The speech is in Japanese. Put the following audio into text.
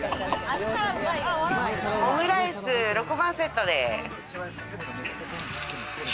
オムライス６番セットで。